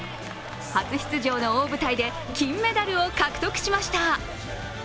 初出場の大舞台で金メダルを獲得しました。